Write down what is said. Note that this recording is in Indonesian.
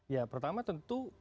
ya pertama tentu